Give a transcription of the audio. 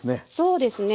そうですね。